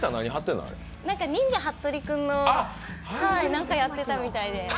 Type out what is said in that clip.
「忍者ハットリくん」のなんかをやっていたみたいで。